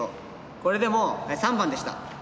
これでも３番でした。